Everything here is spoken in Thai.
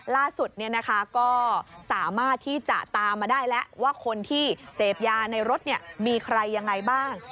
ล่าสุดก็สามารถที่จะตามมาได้แล้วว่าคนที่เสพยาในรถมีใครยังไงบ้าง